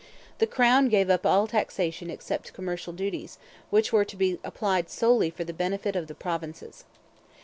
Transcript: The Crown gave up all taxation except commercial duties, which were to be applied solely for the benefit of the provinces.